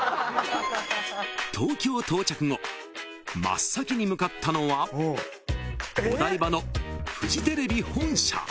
［真っ先に向かったのはお台場のフジテレビ本社］